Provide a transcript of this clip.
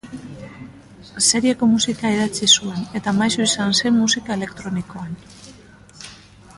Serieko musika idatzi zuen, eta maisu izan zen musika elektronikoan.